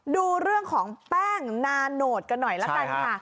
ดูเรื่องของแป้งนาโนตกันหน่อยละกันค่ะ